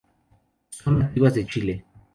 Son nativas de Chile.